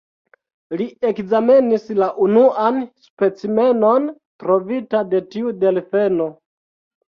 Li ekzamenis la unuan specimenon trovita de tiu delfeno.